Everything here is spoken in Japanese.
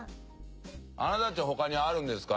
あなたたち他にあるんですか？